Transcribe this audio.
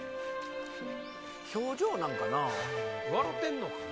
表情なんかなぁ？笑てんのかな。